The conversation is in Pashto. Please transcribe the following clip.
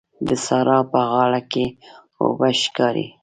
د سارا په غاړه کې اوبه ښکاري.